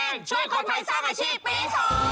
ช่วยคนไทยสร้างอาชีพปี๒